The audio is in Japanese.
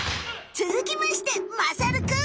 つづきましてまさるくん。